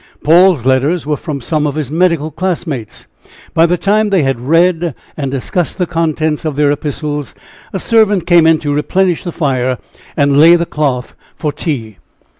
Paul's letters were from some of his medical classmates. By the time they had read and discussed the contents of their epistles, a servant came in to replenish the fire and lay the cloth for tea.